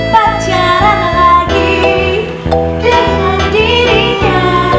pacaran lagi dengan dirinya